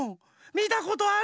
みたことある！